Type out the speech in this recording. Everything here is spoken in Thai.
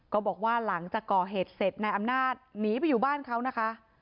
ก็บอกว่าหลังจากก่อเหตุเสร็จนายอำนาจหนีไปอยู่บ้านเขานะคะ